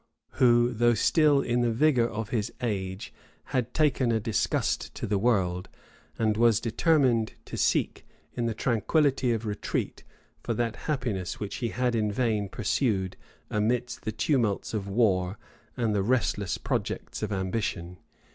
who, though still in the vigor of his age, had taken a disgust to the world, and was determined to seek, in the tranquillity of retreat, for that happiness which he had in vain pursued amidst the tumults of war and the restless projects of ambition.